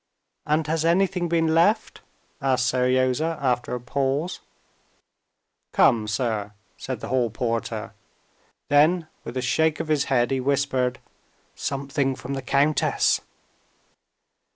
"And has anything been left?" asked Seryozha, after a pause. "Come, sir," said the hall porter; then with a shake of his head he whispered, "Something from the countess."